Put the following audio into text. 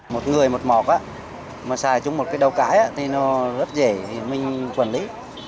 một người một mọt mà xài chung một cái đầu cái thì nó rất dễ mình quản lý